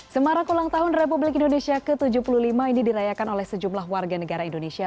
semarak ulang tahun republik indonesia ke tujuh puluh lima ini dirayakan oleh sejumlah warga negara indonesia